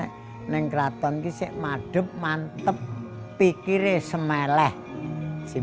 saya berharap saya bisa menjaga pikiran saya sendiri